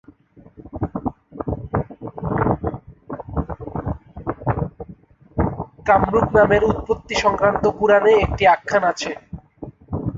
কামরূপ নামের উৎপত্তি সংক্রান্ত পুরাণে একটি আখ্যান আছে।